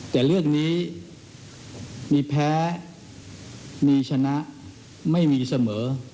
แต่เรื่องนี้มีแพ้มีชนะไม่มีเสมอ